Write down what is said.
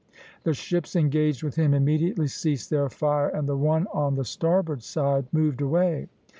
The ships engaged with him immediately ceased their fire, and the one on the starboard side moved away.